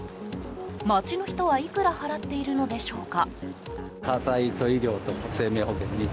街の人はいくら払っているのでしょうか。